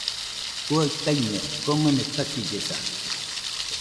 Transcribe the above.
Juaɨ taiño komɨnɨ kasillesa.